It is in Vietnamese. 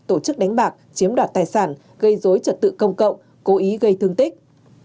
tổ chức đánh bạc chiếm đoạt tài sản gây dối trật tự công cộng cố ý gây thương tích